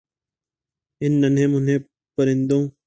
ان ننھے مننھے پرندوں